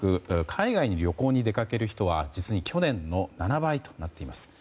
海外に旅行に出かける人は実に去年の７倍となっています。